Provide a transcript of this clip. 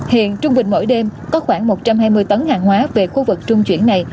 hiện trung bình mỗi đêm có khoảng một trăm hai mươi tấn hàng hóa về khu vực trung chuyển này